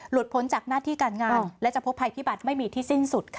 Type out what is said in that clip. พ้นจากหน้าที่การงานและจะพบภัยพิบัติไม่มีที่สิ้นสุดค่ะ